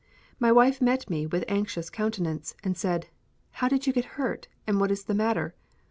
My wife met me with anxious countenance, and said, "How did you get hurt, and what is the matter?"